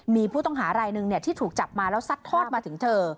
มีผู้ต้องหารายหนึ่งที่ถูกจับมาแล้วซัดทอดมาถึงเธอ